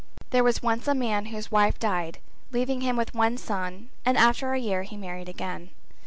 There was once a man whose wife died leaving him with one son and after a year he married again.